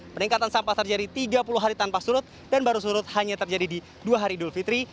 peningkatan sampah terjadi tiga puluh hari tanpa surut dan baru surut hanya terjadi di dua hari idul fitri